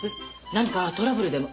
何かトラブルでも？